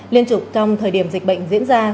liên trục trong thời điểm dịch bệnh diễn ra